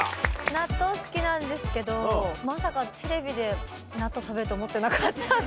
納豆好きなんですけどまさかテレビで納豆食べると思ってなかった。